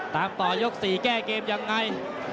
ตามต่อยกที่สองครับ